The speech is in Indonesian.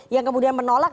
yang kemudian menolak